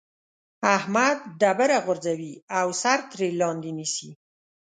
احمد ډبره غورځوي او سر ترې لاندې نيسي.